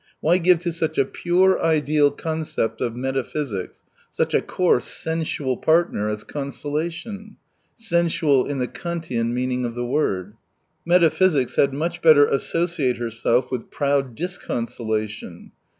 Why give to such a " pure " ideal concept as metaphysics such a coarse " sensual " partner as consolation ?— sen sual in the Kantian meaning of the word. Metaphysics had much better associate herself with proud disconsolation.